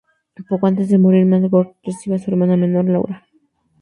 Poco antes de morir Margot recibe a su hermana menor, Laura.